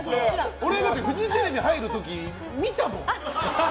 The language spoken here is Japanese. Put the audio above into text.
俺たちフジテレビ入る時に見たもん。